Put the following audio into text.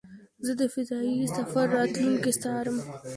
زه د فضایي سفر راتلونکی څارم.